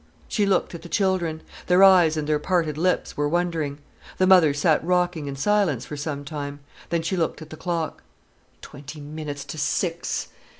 She looked at the children. Their eyes and their parted lips were wondering. The mother sat rocking in silence for some time. Then she looked at the clock. "Twenty minutes to six!"